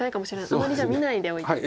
あまりじゃあ見ないでおいて頂いて。